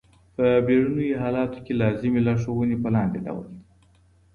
په بېړنیو حالاتو کي لازمي لارښووني په لاندي ډول دي.